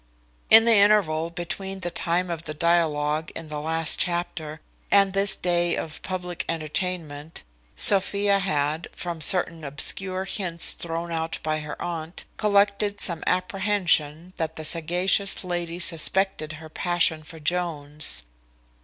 In the interval between the time of the dialogue in the last chapter, and this day of public entertainment, Sophia had, from certain obscure hints thrown out by her aunt, collected some apprehension that the sagacious lady suspected her passion for Jones.